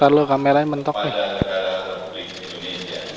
sesuatu yang menurut sifatnya atau menurut perintah